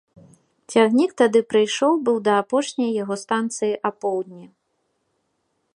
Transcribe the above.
Цягнік тады прыйшоў быў да апошняй яго станцыі апоўдні.